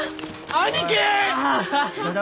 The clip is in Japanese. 兄貴！